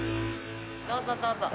どうぞどうぞ。